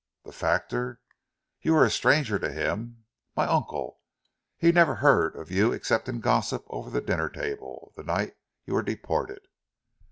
The factor? You were a stranger to him! My uncle? He never heard of you except in gossip over the dinner table the night you were deported.